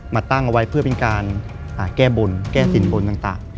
มาตั้งเอาไว้เพื่อเป็นการแก้บนแก้สินบนต่าง